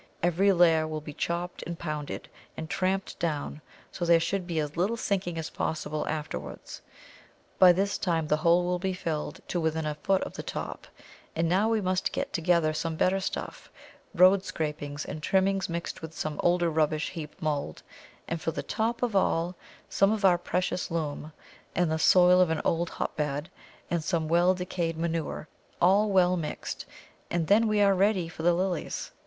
Every layer will be chopped and pounded, and tramped down so that there should be as little sinking as possible afterwards. By this time the hole will be filled to within a foot of the top; and now we must get together some better stuff road scrapings and trimmings mixed with some older rubbish heap mould, and for the top of all, some of our precious loam, and the soil of an old hotbed and some well decayed manure, all well mixed, and then we are ready for the Lilies.